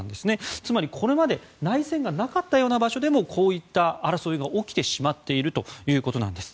つまりこれまで内戦がなかったような場所でもこういった争いが起きてしまっているということなんです。